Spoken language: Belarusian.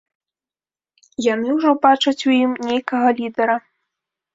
Яны ўжо бачаць у ім нейкага лідара.